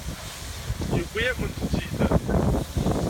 Yewwi-yakent-tt-id.